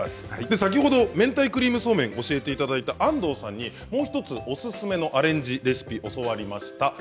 先ほどめんたいクリームそうめんを教えていただいた安藤さんにもう１つおすすめのアレンジレシピを教わりました。